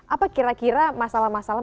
apa kira kira masalah masalah